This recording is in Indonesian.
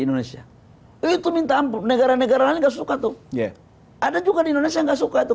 indonesia itu minta ampun negara negara lain nggak suka tuh ya ada juga di indonesia enggak suka tuh